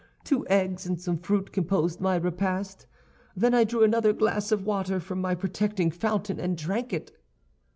Two eggs and some fruit composed my repast; then I drew another glass of water from my protecting fountain, and drank it.